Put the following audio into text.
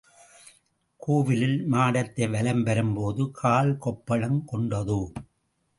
கோவிலில் மாடத்தை வலம் வரும்போது கால்கொப்புளங் கொண்டதோ?